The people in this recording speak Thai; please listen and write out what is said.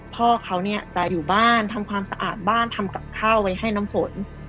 พ่อเขาเนี่ยจะอยู่บ้านทำความสะอาดบ้านทำกับข้าวไว้ให้น้ำฝน